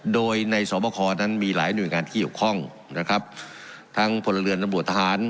โดยในสอบคอนั้นมีหลายหน่วยงานที่เกี่ยวข้องนะครับทั้งพลเรือนตำรวจทหาร